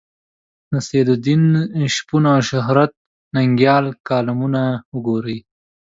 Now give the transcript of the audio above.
د سعدالدین شپون او شهرت ننګیال کالمونه وګورئ.